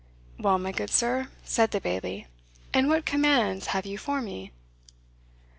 "Well, my good sir," said the Bailie, "and what commands have you for me?"